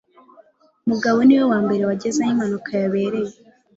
Mugabo niwe wambere wageze aho impanuka yabereye.